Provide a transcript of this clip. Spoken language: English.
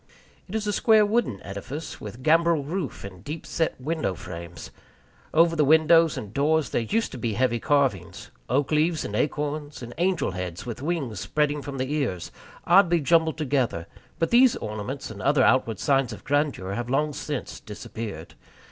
It is a square wooden edifice, with gambrel roof and deep set window frames. Over the windows and doors there used to be heavy carvings oak leaves and acorns, and angels' heads with wings spreading from the ears, oddly jumbled together; but these ornaments and other outward signs of grandeur have long since disappeared.